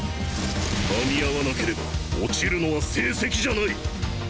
間に合わなければ落ちるのは成績じゃない。